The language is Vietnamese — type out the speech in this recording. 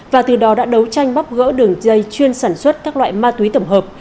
và từ đó đã đấu tranh bóc gỡ đường dây chuyên sản xuất các loại ma túy tổng hợp